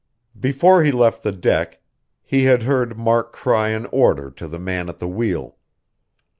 Before he left the deck, he had heard Mark cry an order to the man at the wheel.